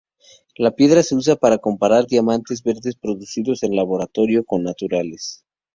La piedra se usa para comparar diamantes verdes producidos en laboratorio con naturales.